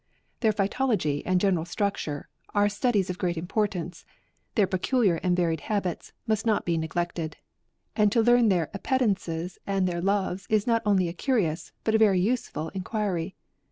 Their phy tology and general structure, are studies of great importance; their peculiar 'and varied habits, must not be neglected ; and to learn their appetences and their loves is not only a curious, but a very useful inquiry.